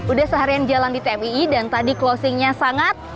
udah seharian jalan di tmii dan tadi closingnya sangat